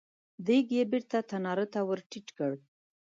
دېګ يې بېرته تناره ته ور ټيټ کړ.